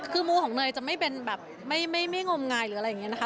คือมูของเนยจะไม่เป็นแบบไม่งมงายหรืออะไรอย่างนี้นะคะ